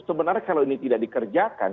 sebenarnya kalau ini tidak dikerjakan